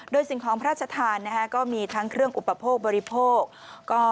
โดยสิ่งของพระราชทานก็มีทั้งเครื่องอุปโภคบริโภค